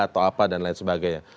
atau apa dan lain sebagainya